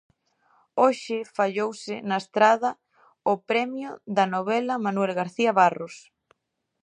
Hoxe fallouse na Estrada o Premio de Novela Manuel García Barros.